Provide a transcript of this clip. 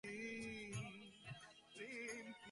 তরলমতি মেয়েরা মাঝে-মাঝে অনেক অদ্ভুত কাণ্ডকারখানা করে বসে।